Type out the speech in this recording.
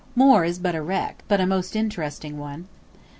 Moore is but a wreck, but most a interesting one.